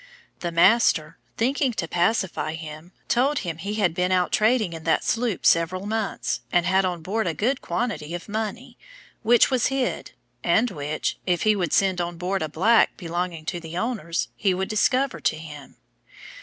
The master, thinking to pacify him, told him he had been out trading in that sloop several months, and had on board a good quantity of money, which was hid, and which, if he would send on board a black belonging to the owners, he would discover to him.